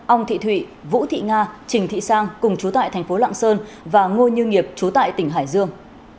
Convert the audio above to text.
ông thị thụy vũ thị nga trình thị sang cùng chú tại thành phố lạng sơn và ngô như nghiệp chú tại tỉnh hải dương